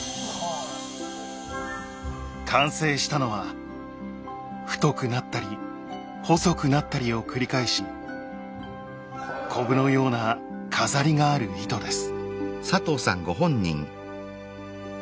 完成したのは太くなったり細くなったりを繰り返しこぶのような飾りがある糸です。